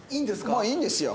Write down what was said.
もういいんですよ。